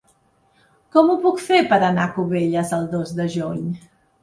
Com ho puc fer per anar a Cubelles el dos de juny?